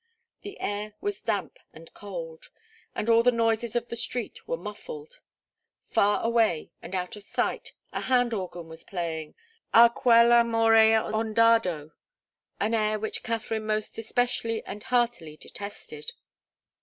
The air was damp and cold, and all the noises of the street were muffled. Far away and out of sight, a hand organ was playing 'Ah quell' amore ond'ardo' an air which Katharine most especially and heartily detested.